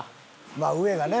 まあ上がね